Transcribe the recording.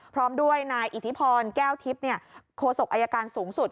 พร้อมด้วยนายอิทธิพรแก้วทิพย์โคศกอายการสูงสุด